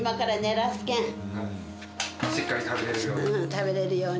食べれるように。